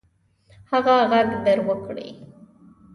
هغه ږغ در وکړئ.